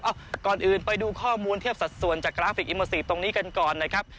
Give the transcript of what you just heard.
ก่อนอื่นไปดูข้อมูลเทียบสัดส่วนจากกราฟิกอิโมซีฟตรงนี้กันก่อนนะครับ